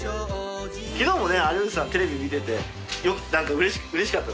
昨日もね有吉さんテレビ見てて何かうれしかった。